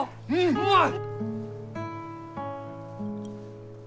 うまい！